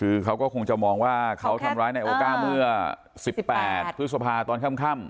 คือเขาก็คงจะมองว่าเขาทำร้ายนายโอก้าเมื่อ๑๘พฤษภาตอนค่ำ